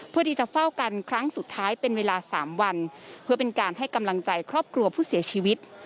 เพื่อที่จะเฝ้ากันครั้งสุดท้ายเป็นเวลา๓วันเพื่อเป็นการให้กำลังใจครอบครัวผู้เสียชีวิต